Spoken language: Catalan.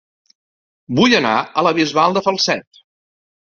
Vull anar a La Bisbal de Falset